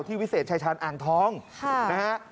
วิเศษชายชาญอ่างทองนะฮะ